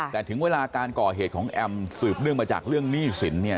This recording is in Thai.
แต่ถึงเวลาการก่อเหตุของแอมสืบเนื่องมาจากเรื่องหนี้สินเนี่ย